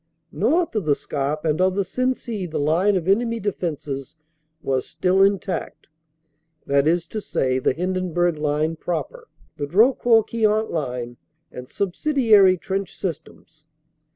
North of the Scarpe and of the Sensee the line of enemy defenses was still intact, that is to say the Hindenburg line proper, the Drocourt Queant line, and subsidiary trench systems.